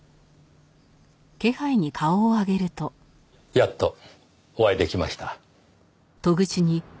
やっとお会い出来ました。